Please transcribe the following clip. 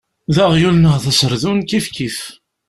D aɣyul neɣ d aserdun, kifkif.